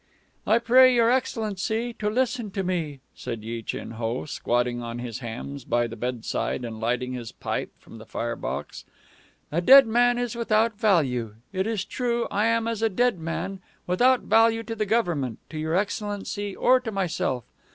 "I pray your excellency to listen to me," said Yi Chin Ho, squatting on his hams by the bedside and lighting his pipe from the fire box. "A dead man is without value. It is true, I am as a dead man, without value to the government, to your excellency, or to myself.